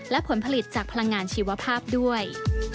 และผลผลิตจากพลังงานชีวภาพด้วย